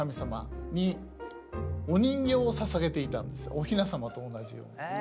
おひなさまと同じように。